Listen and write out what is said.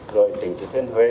rồi tỉnh thừa thiên huế